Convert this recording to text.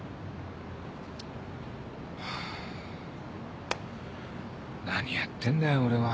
ハァ何やってんだよ俺は。